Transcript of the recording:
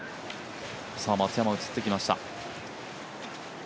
松山、映ってきました。